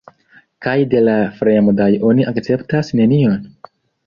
Kaj de la fremdaj oni akceptas nenion?